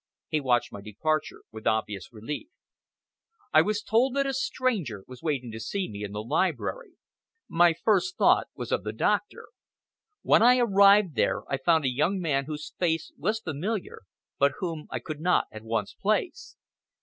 He watched my departure with obvious relief. I was told that a stranger was waiting to see me in the library. My first thought was of the doctor. When I arrived there, I found a young man whose face was familiar, but whom I could not at once place.